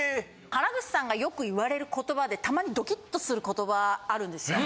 原口さんがよく言われる言葉でたまにドキッとする言葉あるんですよ。